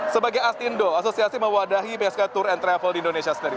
sebagai astindo asosiasi mewadahi bask tour and travel di indonesia sendiri